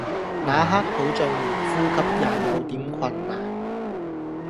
那刻好像連呼吸也有點困難